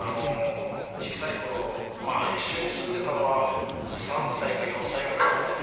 小さい頃まあ一緒に住んでたのは３歳か４歳ぐらいまでで。